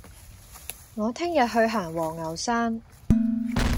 我聽日去行黃牛山